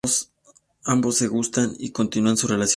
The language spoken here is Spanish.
Ambos se gustan y continúan su relación.